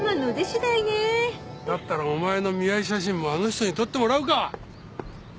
だったらお前の見合い写真もあの人に撮ってもらうか！